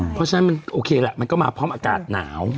เพราะฉะนั้นมันโอเคแหละมันก็มาพร้อมอากาศหนาว